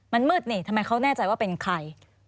มันมืดนี่ทำไมเขาแน่ใจว่าเป็นใคร